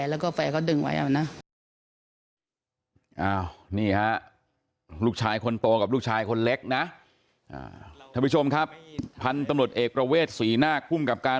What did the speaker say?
ว่าก็แฟเขาดึงไว้นะวันนั้นนะเค้าก็ทำท่าเหมือนกันว่า